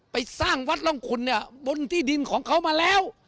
ไปสร้างวัดร่องคุณเนี่ยบนที่ดินของเขามาแล้ว